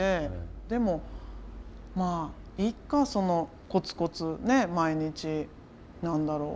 でもまあいっかそのコツコツね毎日何だろう